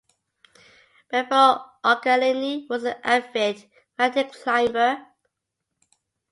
Beppo Occhialini was an avid mountain climber.